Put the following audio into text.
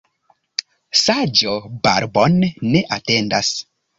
Saĝo barbon ne atendas.